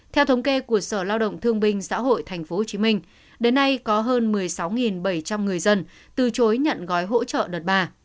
theo thống kê của sở lao động thương binh xã hội tp hcm đến nay có hơn một mươi sáu bảy trăm linh người dân từ chối nhận gói hỗ trợ đợt ba